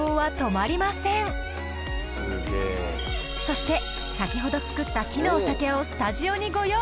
そして先ほど作った木のお酒をスタジオにご用意。